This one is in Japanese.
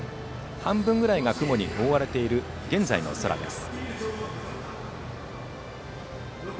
半分ぐらいが雲に覆われている現在の空です。